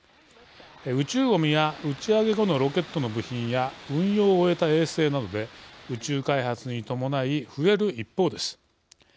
宇宙ごみは打ち上げ後のロケットの部品や運用を終えた衛星などで宇宙開発に伴い増える一方です。